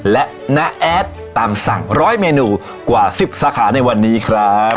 และน้าแอดตามสั่ง๑๐๐เมนูกว่า๑๐สาขาในวันนี้ครับ